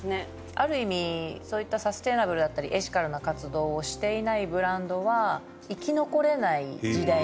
ある意味そういったサステナブルだったりエシカルな活動をしていないブランドは生き残れない時代になってきてます。